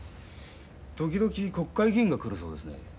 時々国会議員が来るそうですね？